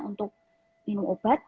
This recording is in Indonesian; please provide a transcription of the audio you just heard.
untuk minum obat